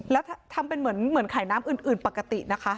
แล้วทำเป็นเหมือนไข่น้ำอื่นปกตินะคะ